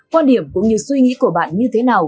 quan điểm cũng như suy nghĩ của bạn như thế nào